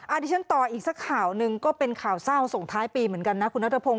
อันนี้ฉันต่ออีกสักข่าวหนึ่งก็เป็นข่าวเศร้าส่งท้ายปีเหมือนกันนะคุณนัทพงศ